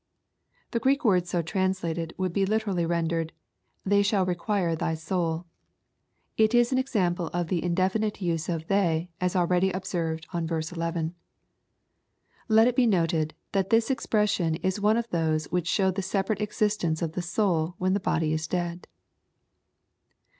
] The Greek words so translated would be literally rendered, " They shall require thy souL" It is an example of tne indefinite use of " they," as already observed on verse IL Let it be noted, that this expression is one of those which show the separate existei.ce of the soul when the body is dead.